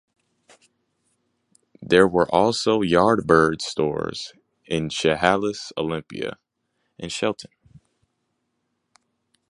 There were also Yard Birds stores in Chehalis, Olympia, and Shelton.